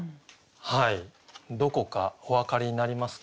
どこかお分かりになりますか？